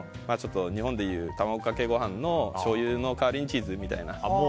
日本でいう卵かけご飯のしょうゆの代わりにチーズみたいな。